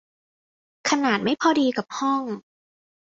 ขนาดไม่พอดีกับห้อง